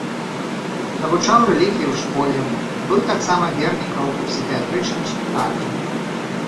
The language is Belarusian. Навучаў рэлігіі ў школе, быў таксама вернікаў у псіхіятрычным шпіталю.